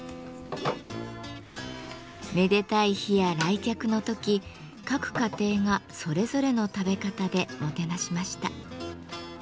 めでたい日や来客の時各家庭がそれぞれの食べ方でもてなしました。